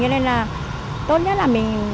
cho nên là tốt nhất là mình